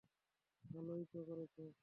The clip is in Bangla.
ভালোই তো করছে।